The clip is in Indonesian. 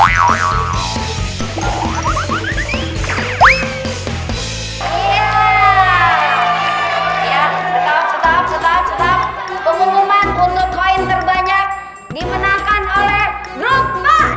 ya setahun setahun setahun setahun pengumuman untuk koin terbanyak dimenangkan oleh grup